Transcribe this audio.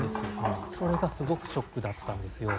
それがすごくショックだったんですよ。